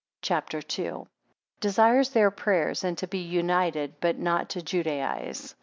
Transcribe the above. CHAPTER II. Desires their prayers, and to be united, but not to Judaize.